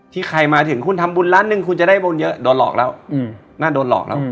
ที่ใครมาถึงคุณทำบุญละหนึ่งคุณจะได้บุญเยอะโดนหลอกแล้วอืม